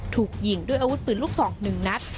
ถูกยิงด้วยอาวุธปืนลูกศอก๑นัด